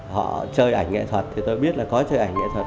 họ chơi ảnh nghệ thuật thì tôi biết là có chơi ảnh nghệ thuật